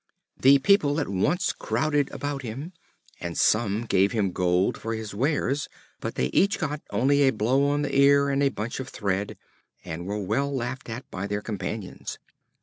The people at once crowded about him, and some gave him gold for his wares, but they each got only a blow on the ear and a bunch of thread, and were well laughed at by their companions.